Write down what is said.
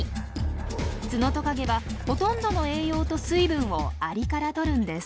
ツノトカゲはほとんどの栄養と水分をアリからとるんです。